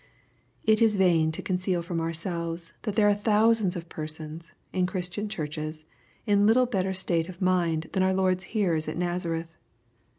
j It is vain to conceal from ourselves that there are /thousands of persons, in Christian churches, in little ( better state of mind than our Lord's hearers at Nazareth.